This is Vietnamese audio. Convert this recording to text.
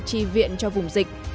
bệnh viện cho vùng dịch